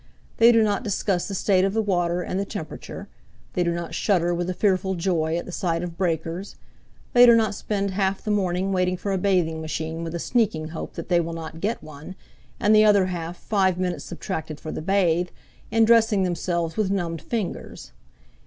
They do not discuss the state of the water and the temperature, they do not shudder with a fearful joy at the sight of breakers, they do not spend half the morning waiting for a bathing machine with a sneaking hope that they will not get one, and the other half, five minutes subtracted for the bathe, in dressing themselves with numbed fingers.